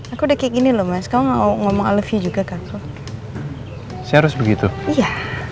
aku udah kayak gini loh mas kau ngomong love juga kaku harus begitu iya